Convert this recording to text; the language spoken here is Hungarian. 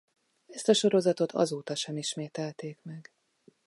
Ezt a sorozatot azóta sem ismételték meg.